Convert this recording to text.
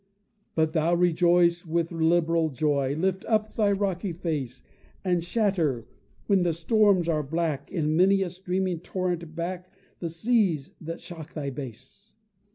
But thou rejoice with liberal joy, Lift up thy rocky face, And shatter, when the storms are black, In many a streaming torrent back, The seas that shock thy base!